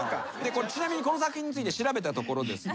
ちなみにこの作品について調べたところですね